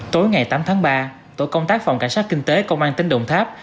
tối ngày tám tháng ba tổ công tác phòng cảnh sát kinh tế công an tỉnh đồng tháp